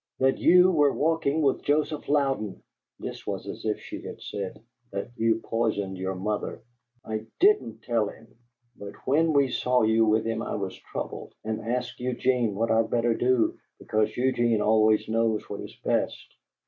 "That you were walking with Joseph Louden!" (This was as if she had said, "That you poisoned your mother.") "I DIDN'T tell him, but when we saw you with him I was troubled, and asked Eugene what I'd better do, because Eugene always knows what is best."